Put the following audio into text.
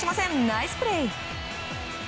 ナイスプレー。